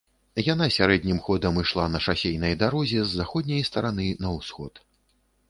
Яна сярэднім ходам ішла на шасэйнай дарозе з заходняй стараны на ўсход.